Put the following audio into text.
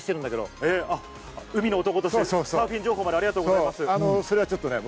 海の男としてサーフィン情報までありがとうございます。